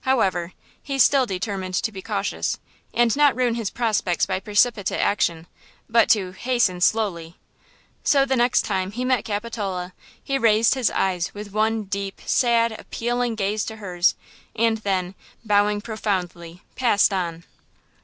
However, he still determined to be cautious, and not ruin his prospects by precipitate action, but to "hasten slowly." So the next time he met Capitola he raised his eyes with one deep, sad, appealing gaze to hers, and then, bowing profoundly, passed on.